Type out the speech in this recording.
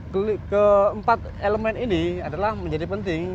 keempat elemen ini adalah menjadi penting